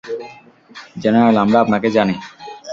General, আমরা আপনাকে জানি।